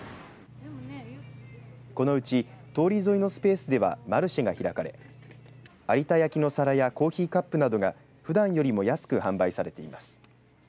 このうち通り沿いのスペースではマルシェが開かれ有田焼の皿やコーヒーカップなどがふだんよりも安く販売されています。